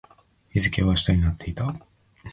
日付は明日になっていた